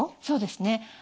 そうですね。